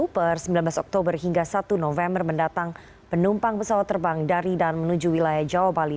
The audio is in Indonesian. per sembilan belas oktober hingga satu november mendatang penumpang pesawat terbang dari dan menuju wilayah jawa bali